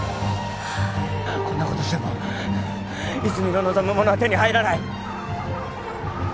こんなことしても泉の望むものは手に入らない。